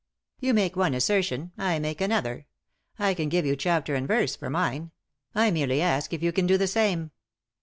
" You make one assertion, I make another. I can give you chapter and verse for mine ; I merely ask if you can do the same."